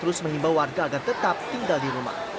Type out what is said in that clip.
terus menghimbau warga agar tetap tinggal di rumah